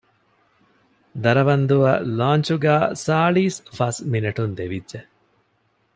ދަރަވަންދުއަށް ލާންޗުގައި ސާޅީސް ފަސް މިނެޓުން ދެވިއްޖެ